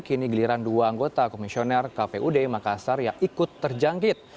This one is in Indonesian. kini giliran dua anggota komisioner kpud makassar yang ikut terjangkit